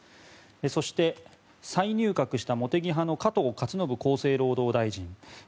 そして、再入閣した茂木派の加藤勝信厚生労働大臣。